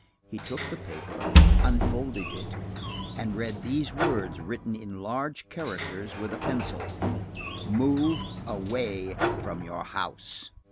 He took the paper, unfolded it, and read these words written in large characters, with a pencil:— "MOVE AWAY FROM YOUR HOUSE."